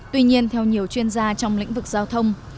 tuy nhiên theo nhiều chuyên gia trong lĩnh vực giao thông